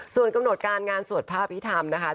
ส่วนกำหนดการงานสวดพระอภิษฐรรมนะคะ